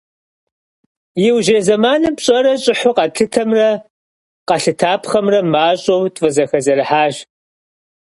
Иужьрей зэманым пщӏэрэ щӏыхьу къэтлъытэмрэ къэлъытапхъэмрэ мащӏэу тфӏызэхэзэрыхьащ.